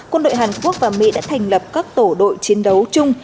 quân đội hàn quốc và mỹ đã thành lập các tổ đội chiến đấu chung